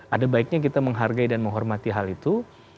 ada baiknya kita menghargai dan menghormati hal itu